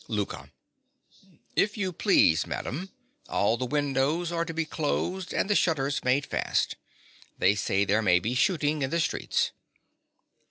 _) LOUKA. If you please, madam, all the windows are to be closed and the shutters made fast. They say there may be shooting in the streets.